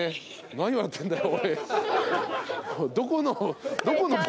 何笑ってんだよ。